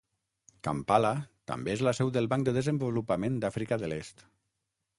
Kampala també és la seu del Banc de Desenvolupament d'Àfrica de l'Est.